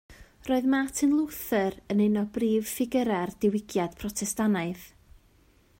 Roedd Martin Luther yn un o brif ffigurau'r Diwygiad Protestannaidd.